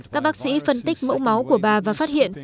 các bác sĩ phân tích mẫu máu của bà và phát hiện